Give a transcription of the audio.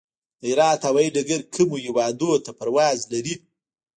د هرات هوايي ډګر کومو هیوادونو ته پرواز لري؟